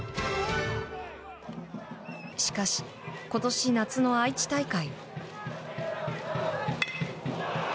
しかし、今年夏の愛知大会。